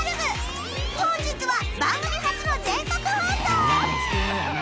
本日は番組初の全国放送